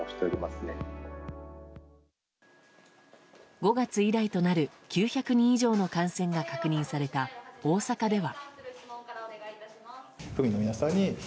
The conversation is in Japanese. ５月以来となる９００人以上の感染が確認された大阪では。